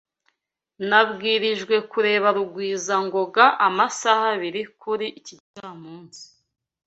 Nabwirijwe kureba Rugwizangoga amasaha abiri kuri iki gicamunsi.